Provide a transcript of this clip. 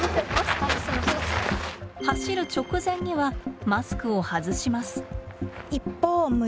走る直前にはマスクを外します。